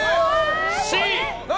Ｃ。